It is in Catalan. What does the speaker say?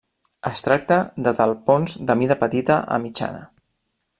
Es tracta de talpons de mida petita a mitjana.